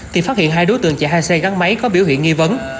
thì phát hiện hai đối tượng chạy hai xe gắn máy có biểu hiện nghi vấn